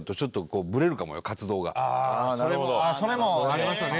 それもありますよね。